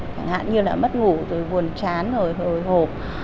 chẳng hạn như là mất ngủ rồi buồn chán rồi hồi hộp